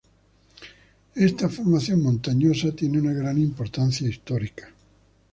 Esta formación montañosa tiene una gran importancia histórica.